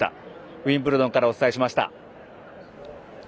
ウィンブルドンからお伝えしました。